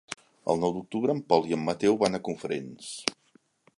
El nou d'octubre en Pol i en Mateu van a Cofrents.